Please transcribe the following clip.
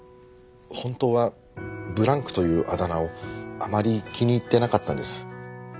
本当はブランクというあだ名をあまり気に入ってなかったんです。